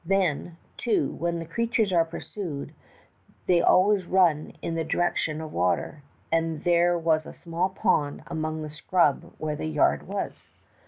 Then, too, when these crea tures are pursued, they always run in the direc tion of water, and there was a small pond among the scrub where the yard was.